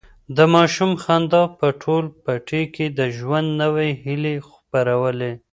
د ماشوم خندا په ټول پټي کې د ژوند نوي هیلې خپرولې.